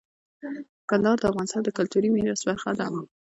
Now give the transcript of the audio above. کندهار د افغانستان د کلتوري میراث برخه ده.